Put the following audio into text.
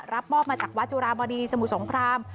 รับมอบมาจากวัดจุราบดีสมุทรสงคราม